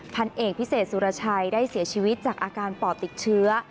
พันเอกพิเศษสุรชัยได้เสียชีวิตจากอาการปอดติดเชื้อ